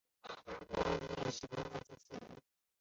米尔斯也十分关注苏联。